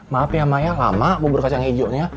maaf ya maya lama bubur kacang hijaunya